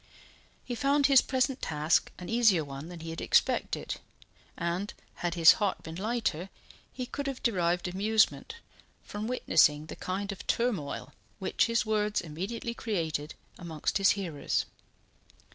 He found his present task an easier one than he had expected; and had his heart been lighter, he could have derived amusement from witnessing the kind of turmoil which his words immediately created amongst his hearers.